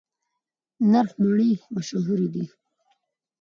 نرخ مڼې مشهورې دي؟